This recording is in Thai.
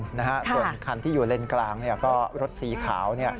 ส่วนคันที่อยู่เลนกลางก็รถสีขาว